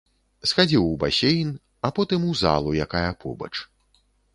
Схадзіў у басейн, а потым у залу, якая побач.